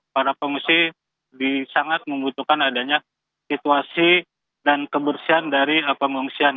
para pengungsi sangat membutuhkan adanya situasi dan kebersihan dari pengungsian